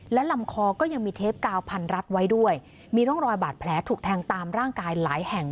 และลำคอก็ยังมีเทปกาวพันรัดไว้ด้วยมีร่องรอยบาดแผลถูกแทงตามร่างกายหลายแห่ง